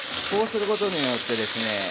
そうすることによってですね